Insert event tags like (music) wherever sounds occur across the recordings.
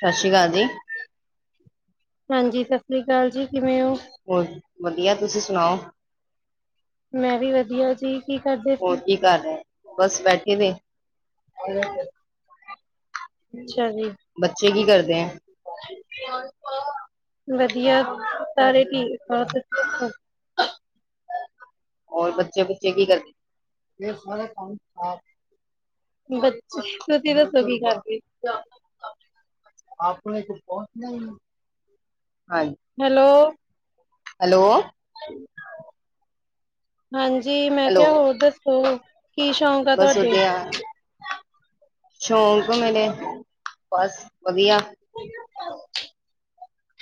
ਸਸ ਸ਼੍ਰੀ ਅਕਾਲ ਜੀ। ਹਾਂਜੀ, ਸਸ ਸ੍ਰੀ ਅਕਾਲ ਜੀ ਕਿਵੇਂ ਓ? ਹੋਰ, ਵਧੀਆ ਤੁਸੀਂ ਸੁਣਾਓ? ਮੈਂ ਵੀ ਵਧੀਆ ਜੀ, ਕੀ ਕਰਦੇ ਸੀ? ਘਰ ਬਸ ਬੈਠੇ ਵੇ। ਅੱਛਾ ਜੀ। ਬੱਚੇ ਕੀ ਕਰਦੇ ਆ? ਵਦੀਆ, ਸਾਰੇ ਠੀਕ-ਠਾਕ। ਹੋਰ, ਬੱਚੇ-ਬੁੱਚੇ ਕੀ ਕਰਦੇ? (inaudible) ਬੱਚੇ, ਤੁਸੀਂ ਦੱਸੋ ਕੀ ਕਰਦੇ? ਆਪਣੇ ਚ ਪਹੁੰਚਣਾ ਈ ਨੀ ਹਾਂਜੀ। ਹੈਲੋ। ਹੈਲੋ। ਹਾਂਜੀ, ਮੈਂ ਹੈਲੋ ਕਿਹਾ ਹੋਰ ਦੱਸੋ? ਕੀ ਸ਼ੌਕ ਬਸ ਵਦੀਆ ਸ਼ੌਂਕ ਮੇਰੇ, ਬਸ ਵਦੀਆ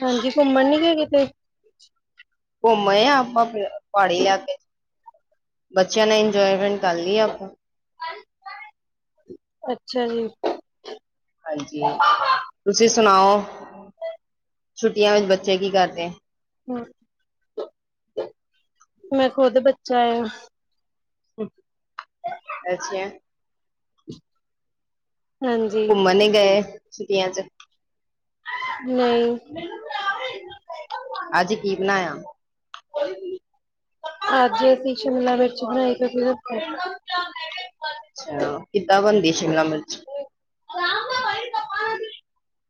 ਹਾਂਜੀ, ਘੁੰਮਣ ਨੀ ਗਏ ਕਿਤੇ? ਘੁੰਮ ਆਏ ਆ ਆਪਾਂ, ਪ੍ਹਾੜੀ ਲਾਕੇ ਚ ਬੱਚਿਆਂ ਨੇ ਇੰਜੋਏਮੈਂਟ ਕਰਲੀ, ਆਪਾ ਅੱਛਾ ਜੀ। ਹਾਂਜੀ, ਤੁਸੀਂ ਸੁਣਾਓ? ਛੁੱਟੀਆਂ ਵਿਚ ਬੱਚੇ ਕੀ ਕਰਦੇ ਆ? ਮੈਂ ਖੁੱਦ ਬੱਚਾ ਏ। ਅੱਛਾ। (unintelligible) ਹਾਂਜੀ ਘੁੰਮਣ ਨੀ ਗਏ ਛੁੱਟੀਆਂ ਚ ਨਈ। ਅੱਜ ਕੀ ਬਣਾਇਆ? ਅੱਜ ਅਸੀ ਸ਼ਿਮਲਾ ਮਿਰਚ ਬਨਾਈ। ਤੁਸੀਂ ਦਸੋ? ਅੱਛਾ, ਕਿੱਦਾਂ ਬਨਦੀ ਸ਼ਿਮਲਾ ਮਿਰਚ?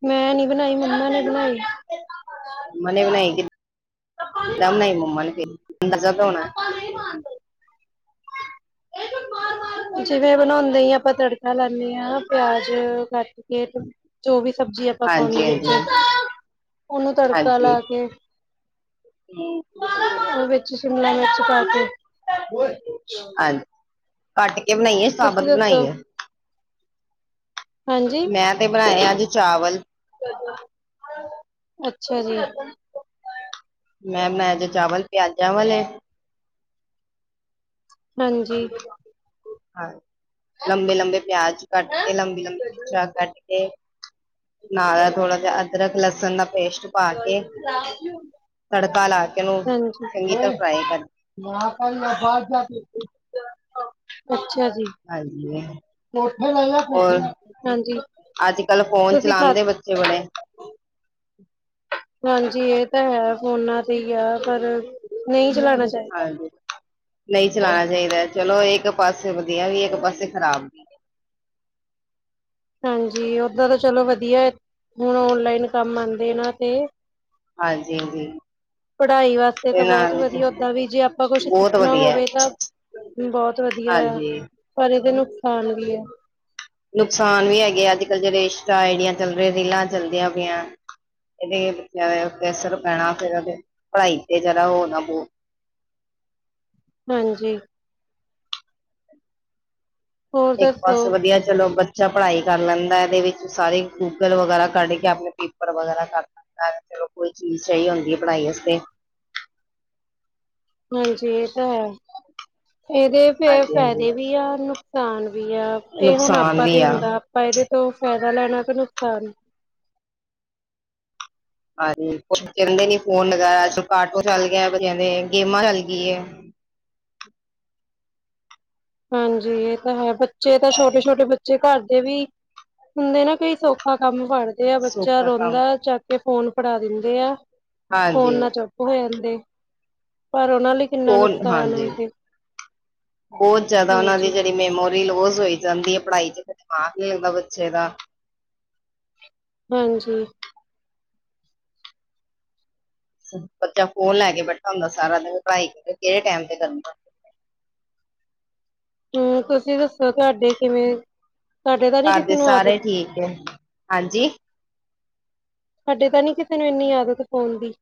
ਮੈਂ ਨੀ ਬਨਾਈ, ਮੰਮਾ ਨੇ ਬਨਾਈ। ਮੰਮਾਂ ਨੇ ਬਨਾਈ। ਕਿੱਦਾਂ ਬਨਾਈ ਮੰਮਾਂ ਨੇ, ਫੇਰ ਅੰਦਾਜ਼ਾ ਤੇ ਹੋਨੈ? ਪਾਨੀ ਨੀ ਪਾਂਦੇ। (inaudible) ਜਿਵੇਂ ਬਨਾਉਦੇ ਈ ਆਪਾਂ ਤੜਕਾ ਲਾਨੇਂ ਆਂ ਪਿਆਜ ਕੱਟ ਕੇ ਜੋ ਵੀ ਸਬਜੀ ਆਪਾਂ ਪੌਣੀ ਹਾਂਜੀ ਵਿੱਚ ਹਾਂਜੀ ਓਨੂੰ ਤੜਕਾ ਲਾ ਕੇ ਹੂੰ। ਵਿੱਚ ਸ਼ਿਮਲਾ ਮਿਰਚ ਪਾ ਕੇ ਕੱਟ ਕੇ ਬਨਾਈ ਏ ਤੁਸੀਂ ਸਾਬਤ ਬਨਾਈ ਦੱਸੋ ਏ? ਹਾਂਜੀ ਮੈਂ ਤੇ ਬਣਾਏ ਅੱਜ ਚਾਵਲ। ਅੱਛਾ ਜੀ। ਮੈਂ ਬਨਾਏ ਅੱਜ ਚਾਵਲ ਪਿਆਜਾਂ ਵਾਲੇ। ਹਾਂਜੀ। ਹਾਂ, ਲੰਬੇ-ਲੰਬੇ ਪਿਆਜ ਕੱਟ ਕੇ ਲੰਬੀ-ਲੰਬੀ ਮਿਰਚਾਂ ਕੱਟ ਕੇ ਨਾਲ ਐ ਥੋੜਾ ਜਿਆ ਅਦਰਕ ਲਸਨ ਦਾ ਪੇਸ਼ਟ ਪਾ ਕੇ, ਤੜਕਾ ਲਾ ਕੇ ਓਨੂੰ ਚੰਗੀ ਤਰਾਂ ਫਰਾਈ ਕਰ ਓਨੂੰ ਆ ਕਰ ਲੈ ਬਾਰ ਜਾ ਕੇ, (unintelligible) ਅੱਛਾ ਜੀ। ਆ ਜਿਵੇਂ, ਔਰ ਹਾਂਜੀ ਅੱਜ-ਕੱਲ ਫੋਨ ਤੁਸੀਂ ਖਾ ਚਲਾਂਦੇ ਬੱ ਚੇ ਵੜੇ ਹਾਂਜੀ, ਏ ਤਾਂ ਹੈ ਫੋਨਾਂ ਤੇ ਈ ਐ ਪਰ ਨਈ ਚਲਾਨਾ ਹਾਂਜੀ, ਨਈ ਚਲਾਨਾ ਚਾਈਦਾ। ਚਲੋ ਏੱਕ ਪਾਸੇ ਵਧੀਆ ਵੀ ਏ, ਏੱਕ ਪਾਸੇ ਖਰਾਬ ਵੀ ਹਾਂਜੀ ਓਦਾਂ ਤਾਂ ਚਲੋ ਵਧੀਐ। ਹੁਣ ਓਨਲਾਈਨ ਕੰਮ ਆਂਦੇ ਨਾ ਤੇ ਹਾਂਜੀ-ਹਾਂਜੀ। ਪੜਾਈ ਵਾਸਤੇ ਤਾਂ ਬੋਹੋਤ ਵਧੀਆ ਓਦਾਂ ਵੀ ਜੇ ਆਪਾਂ ਕੁਛ ਬਹੁਤ ਸਿੱਖਨਾ ਵਧੀਆ ਹੋਵੇ ਤਾਂ ਬੋਹੋਤ ਵਧੀਆ ਐਯਾ। ਹਾਂਜੀ ਪਰ ਏਦੇ ਨੁਕਸਾਨ ਵੀ ਐ। ਨੁਕਸਾਨ ਵੀ ਹੈਗੇ ਅੱਜ ਕੱਲ ਜੇੜੇ ਇਸ਼ਟਾ ਆਈਡੀਆਂ ਚੱਲ ਰੇ ਰੀਲਾਂ ਚੱਲਦੀਆਂ ਪਈਆਂ ਏਦੇ ਬੱਚਿਆਂ ਉੱਤੇ ਅਸਰ ਪੈਣਾ ਫਿਰ ਅੱਗੇ ਪੜਾਈ ਤੇ ਜਰਾ ਹੋਰ ਨਾ ਬੋ ਹਾਂਜੀ। ਹੋਰ ਏੱਕ ਪਾਸੇ ਦੱਸੋ ਵਧੀਆ ਚਲੋ ਬੱਚਾ ਪੜਾਈ ਕਰ ਲੈਂਦੈ। ਏਦੇ ਵਿੱਚ ਸਾਰੇ ਗੂਗਲ ਵਗੈਰਾ ਕੱਢ ਕੇ ਆਪਣੇ ਪੇਪਰ ਵਗੈਰਾ ਕਰ ਐ ਤੇ ਚਲੋ ਕੋਈ ਚੀਜ ਸਈ ਹੁੰਦੀ ਏ ਪੜਾਈ ਆਸਤੇ। ਹਾਂਜੀ ਏ ਤਾਂ ਹੈ। ਏਦੇ ਫੇ ਹਾਂਜੀ ਹਾਂਜੀ ਫਾਇਦੇ ਵੀ ਆ ਨੁਕ ਸਾਨ ਵੀ ਆ। ਏ ਹੂਨ ਨੁਕਸਾਨ ਆਪਾਂ ਵੀ ਤੇ ਆ ਹੁੰਦਾ ਆਪਾਂ ਏਦੇ ਤੋਂ ਫੈਦਾ ਲੈਣਾ ਕੇ ਨੁਕਸਾਨ। ਹਾਂਜੀ (unintelligible) ਬੱਚੇ ਦਿੰਦੇ ਨੀ ਫੋਨ ਲਗਾਇਆ ਏ 'ਚ ਆਟੋ ਚੱਲ ਗਿਐ ਬੱਚਿਆਂ ਦੇ, ਗੇਮਾਂ ਚੱਲ ਗੀ ਏ। ਹਾਂਜੀ ਏ ਤਾਂ ਹੈ। ਬੱਚੇ ਤਾਂ ਛੋਟੇ-ਛੋਟੇ ਬੱਚੇ ਘਰ ਦੇ ਵੀ ਹੁੰਦੇ ਨਾ ਕਈ ਸੌਖਾ ਕੰਮ ਫੜਦੇ ਆ, ਬੱਚਾ ਸੌਖਾ ਕੰਮ ਰੋਂਦਾ ਚੱਕ ਕੇ ਫੋਨ ਫੜਾ ਦਿੰਦੇ ਆ ਹਾਂਜੀ ਫੋਨ ਨਾ ਚੁੱਪ ਹੋ ਜਾਂਦੇ। ਪਰ ਓਨਾਂ ਲਈ ਕਿੰਨਾ ਨੁਕਸਾਨ ਐ, ਏ ਤੇ। ਬੋਹੋਤ ਜਿਆਦਾ ਓਨਾਂ ਦੀ ਜੜੀ ਮੈਮੋਰੀ ਲੋਜ਼ ਹੋਈ ਜਾਂਦੀ ਏ ਪੜਾਈ 'ਚ ਦਿਮਾਗ ਨਈ ਲੱਗਦਾ ਬੱਚੇ ਦਾ। ਹਾਂਜੀ। ਬੱਚਾ ਫੋਨ ਲੈ ਕੇ ਬੈਠਾ ਹੁੰਦਾ ਸਾਰਾ ਦਿਨ ਪੜਾਈ (unintelligible) ਕੇੜੇ ਟੈਮ ਤੇ ਕਰਨਾ। ਹੂੰ, ਤੁਸੀ ਦੱਸੋ ਤੁਆਡੇ ਕਿਵੇਂ? ਤੁਹਾਡੇ ਤਾਂ ਨੀ ਘਰ ਕਿਸੇ ਦੇ ਨੂੰ ਆਦਤ ਸਾਰੇ ਠੀਕ ਏ। ਹਾਂਜੀ? ਹਜੇ ਤਾਂ ਨੀ ਕਿਸੇ ਨੂੰ ਏਨੀ ਆਦਤ ਫੋਨ ਦੀ।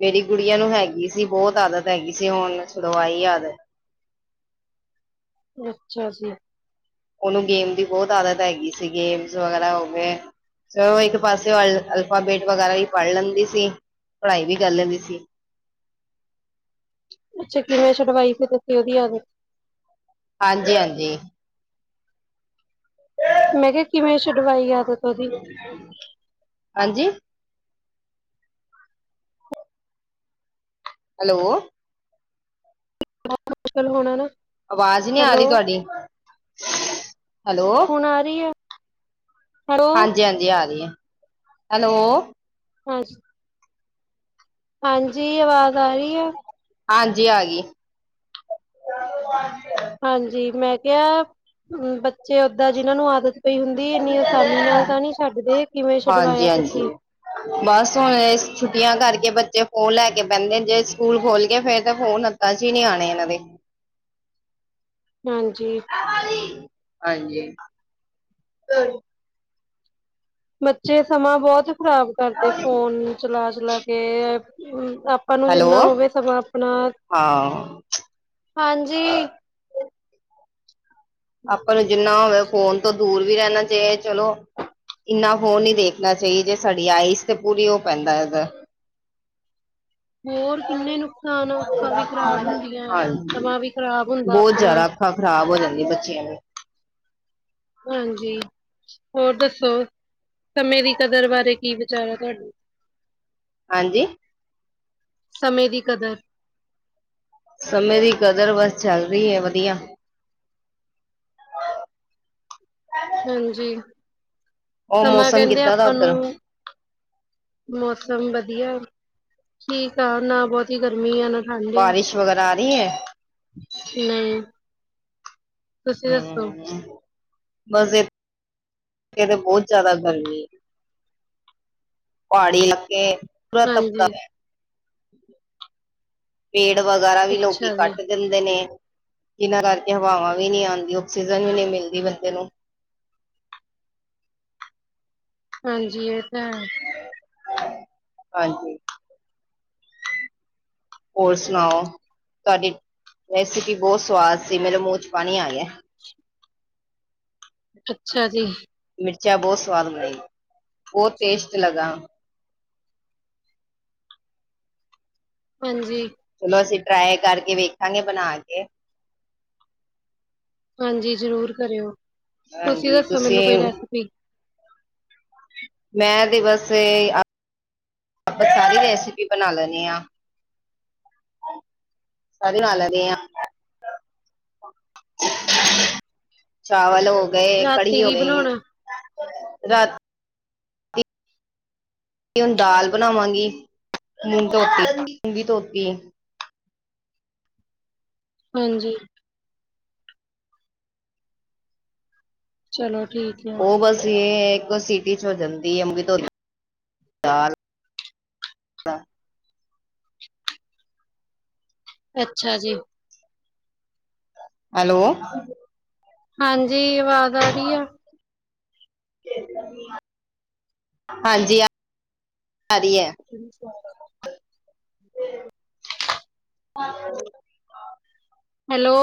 ਮੇਰੀ ਗੂੜੀਆਂ ਨੂੰ ਹੈਗੀ ਸੀ, ਬੋਤ ਆਦਤ ਹੈਗੀ ਸੀ ਹੋਨ ਛਡਵਾਈ ਏ ਆਦਤ। ਅੱਛਾ ਜੀ। ਓਨੂੰ ਗੇਮ ਦੀ ਬੋਤ ਆਦਤ ਹੈਗੀ ਸੀ, ਗੇਮਸ ਵਗੈਰਾ ਹੋਗੇ। ਚਲੋ ਏਕ ਪਾਸੇ ਉਹ ਅਲ ਅਲਫਾਬੇਟ ਵਗੈਰਾ ਵੀ ਪੜ ਲੈਂਦੀ ਸੀ ਪੜਾਈ ਵੀ ਕਰ ਲੈਂਦੀ ਸੀ। ਅੱਛਾ, ਕਿਵੇਂ ਛੁਡਵਾਈ ਫੇਰ ਤੁਸੀ ਓਦੀ ਆਦਤ? ਹਾਂਜੀ-ਹਾਂਜੀ। ਮੈਂ ਕੇਯਾ, ਕਿਵੇਂ ਛੁਡਵਾਈ ਆਦਤ ਓਦੀ? ਹਾਂਜੀ। ਹੈਲੋ। ਬਹੁਤ ਮੁਸ਼ਕਿਲ ਹੋਣਾ ਨਾ। ਆਵਾਜ਼ ਨੀਂ ਆ ਹੈਲੋ ਰੀ ਤਵਾਡੀ, ਹੈਲੋ। ਹੁਣ ਆ ਰੀਏ। ਹਾਂਜੀ-ਹਾਂਜੀ ਆ ਰੀਏ, ਹੈਲੋ। ਹਾਂ ਹਾਂਜੀ, ਅਵਾਜ਼ ਆ ਰੀਏ? ਹਾਂਜੀ, ਆਈ ਹਾਂਜੀ, ਮੈਂ ਕੇਯਾ ਬੱਚੇ ਓਦਾਂ ਜਿਨਾਂ ਨੂੰ ਆਦਤ ਪਈ ਹੁੰਦੀ ਇੰਨੀ ਆਸਾਨੀ ਨਾਲ ਤਾਂ ਨੀ ਛੱਡਦੇ, ਕਿਵੇਂ ਹਾਂਜੀ ਛੱਡਵਾਇਆ ਹਾਂਜੀ ਤੁਸੀਂ? ਬਸ ਹੁਣ ਛੁੱਟੀਆਂ ਕਰਕੇ ਬੱਚੇ ਫੋਨ ਲੈਕੇ ਬੈਂਦੇ ਨੇ ਜੇ ਸਕੂਲ ਖੋਲਗੇ ਫੇਰ ਤਾਂ ਫੋਨ ਹ ਤਾਂ 'ਚ ਨੀ ਆਣੇ ਏਨਾਂ ਦੇ। ਹਾਂਜੀ। ਹਾਂਜੀ। ਬੱਚੇ ਸਮਾਂ ਬੋਤ ਖ਼ਰਾਬ ਕਰਦੇ ਫੋਨ ਚਲਾ-ਚਲਾ ਕੇ, ਆ ਪਾਂ ਨੂੰ ਹੈਲੋ ਜਿੰਨਾ ਹੋਵੇ ਸਮਾਂ ਅਪਨਾ, ਹਾਂ ਹਾਂਜੀ। ਆਪਾਂ ਨੂੰ ਜਿੰਨਾ ਹੋਵੇ ਫੋਨ ਤੋਂ ਦੂਰ ਈ ਰੈਣਾ ਚਾਈਏ, ਚਲੋ ਇੰਨਾ ਫੋਨ ਨੀ ਦੇਖਨਾਂ ਚਾਈਏ, ਜੇ ਸਾਡੀ ਆਈਸ 'ਤੇ ਪੂਰੀ ਓ ਪੈਂਦਾ ਏਦਾ ਹੋਰ ਕਿੰਨੇ ਨੁਕਸਾਨ ਆ ਅੱਖਾਂ ਵੀ ਖ਼ਰਾਬ ਹੁੰਦੀਆਂ ਵਾ, ਹਾਂਜੀ ਸਮਾਂ ਵੀ ਖ਼ਰਾਬ ਹੁੰਦਾ ਬਹੁਤ ਆਪਣਾ। ਜ਼ਿਆਦਾ ਅੱਖਾਂ ਖ਼ਰਾਬ ਹੋ ਜਾਂਦੀ, ਬੱਚਿਆਂ ਦੀ। ਹਾਂਜੀ, ਹੋਰ ਦੱਸੋ ਸਮੇਂ ਦੀ ਕਦਰ ਬਾਰੇ ਕੀ ਵਿਚਾਰ ਆ ਤੁਆਡੇ? ਹਾਂਜੀ। ਸਮੇਂ ਦੀ ਕਦਰ। ਸਮੇਂ ਦੀ ਕਦਰ ਬਸ, ਚੱਲ ਰੀਏ ਵਧੀਆ। ਹੰਜੀ, ਉਹ ਸਮਾਂ ਮੌਸਮ ਕੈਂਦੇ ਕਿੱਦਾਂ ਦਾ ਆਪਾਂ ਉੱਧਰ ਨੂੰ ਮੌਸਮ ਵਧੀਆ, ਠੀਕ ਆ ਨਾ ਬੋਤੀ ਗਰਮੀ ਆ ਨਾ ਬਾਰਿਸ਼ ਵਗੈਰਾ ਆ ਰੀਐ? ਨਈ। ਹੂੰ, ਬਸ ਏ ਥੇ ਤਾਂ ਬੋਤ ਜਾਦਾ ਗਰਮੀ ਏ, ਪਾੜੀ ਇਲਾਕੇ ਪੂਰਾ ਤਪਦਾ ਹਾਂਜੀ ਪੇਆ, ਪੇੜ ਵਗੈਰਾ ਵੀ ਲੋਕੀ ਅੱਛਾ ਜੀ ਕੱਟ ਦਿੰਦੇ ਨੇ, ਜਿਨਾਂ ਕਰਕੇ ਹਵਾਵਾਂ ਵੀ ਨੀ ਆਂਦੀ, ਆਕਸੀਜਨ ਵੀ ਨੀ ਮਿਲਦੀ ਬੰਦੇ ਨੂੰ। ਹਾਂਜੀ, ਏ ਤਾਂ ਹੈ। ਹਾਂਜੀ। ਹੋਰ ਸੁਨਾਓ, ਤੁਆਡੀ ਰੈਸਿਪੀ ਬੋਤ ਸਵਾਦ ਸੀ ਮੇਰੇ ਮੂੰਹ 'ਚ ਪਾਣੀ ਆ ਗਿਆ। ਅੱਛਾ ਜੀ। ਮਿਰਚਾਂ ਬਹੁਤ ਸਵਾਦ ਬਨਾਈ, ਬਹੁਤ ਟੇਸਟ ਲੱਗਾ। ਹਾਂਜੀ। ਚਲੋ ਅਸੀ ਟਰਾਏ ਕਰਕੇ ਵੇਖਾਂਗੇ ਬਣਾ ਕੇ। ਹਾਂਜੀ ਜ਼ਰੂਰ ਕਰਯੋ, ਤੁਸੀ ਹਾਂਜੀ ਦੱਸੋ ਤੁਸੀਂ ਮੈਨੂੰ ਕੋਈ ਰੈਸੀਪੀ‌? ਮੈਂ ਵੀ ਬਸ ਸੇ ਆ, ਪਾਂ ਸਾਰੀ ਰੈਸਪੀ ਬਣਾ ਲੈਨੇ ਆ। (unintelligible) ਸਾਰੀ ਬਨਾ ਲੈਨੀ ਆ। ਚਾਵਲ ਹੋ ਗਏ, ਕੜੀ ਰਾਤੀ ਹੋ ਕੀ ਗਈ। ਬਣਾਉਣਾ? ਰਾ ਵੀ ਹੁਣ ਦਾਲ ਬਣਾਵਾਂਗੀ ਮੂੰਗ ਧੋਤੀ, ਮੂੰਗੀ ਧੋਤੀ। ਹਾਂਜੀ। ਚਲੋ ਠੀਕ ਏ। ਉਹ ਬਸ ਇਹ ਇੱਕ ਦੋ ਸੀਟੀ ਚ ਹੋ ਜਾਂਦੀ ਏ ਮੂੰਗੀ ਧੋਤ। ਅੱਛਾ ਜੀ। (inaudible) ਹੈਲੋ। ਹਾਂਜੀ। ਅਵਾਜ਼ ਆ ਰੀ ਯਾ। (inaudible) ਹਾਂਜੀ ਅ, ਆ ਰੀ ਐ। (inaudible) (inaudible) ਹੈਲੋ।